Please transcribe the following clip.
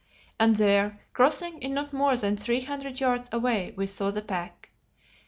And there, crossing it not more than three hundred yards away, we saw the pack.